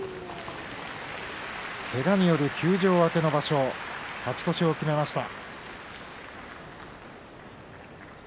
けがによる休場明けの場所勝ち越しを決めました。